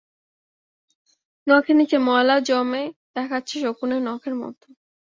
নখের নিচে ময়লা জমে দেখাচ্ছে শকুনের নখের মতো।